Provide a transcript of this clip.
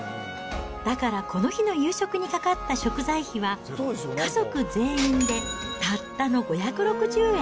だから、この日の夕食にかかった食材費は、家族全員でたったの５６０円。